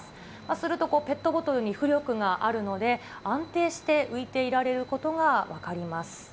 すると、ペットボトルに浮力があるので、安定して浮いていられることが分かります。